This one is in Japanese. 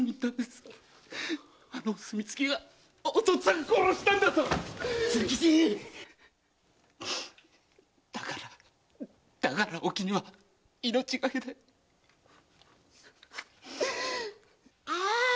あのお墨付きがお父っつぁんを殺したんだと‼だからだからおきぬは命懸けで‼あ！